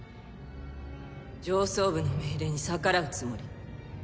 上層部の命令に逆らうつもり？